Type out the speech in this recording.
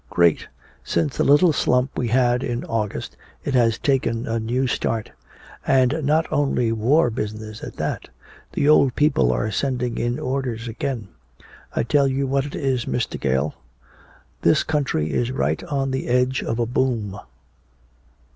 "Great. Since the little slump we had in August it has taken a new start and not only war business, at that the old people are sending in orders again. I tell you what it is, Mr. Gale, this country is right on the edge of a boom!"